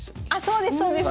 そうですそうです！